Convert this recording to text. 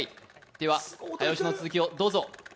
では早押しの続きをどうぞ。